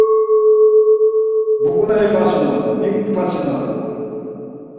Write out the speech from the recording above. Mu ǩonari ixvenasinon mik tkvasinon?